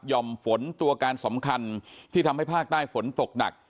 ่อมฝนตัวการสำคัญที่ทำให้ภาคใต้ฝนตกหนัก